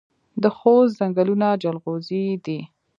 د خوست ځنګلونه جلغوزي دي